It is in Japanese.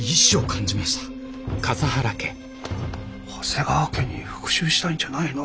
長谷川家に復讐したいんじゃないの？